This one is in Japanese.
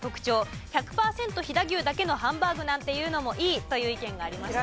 １００パーセント飛騨牛だけのハンバーグなんていうのもいいという意見がありました。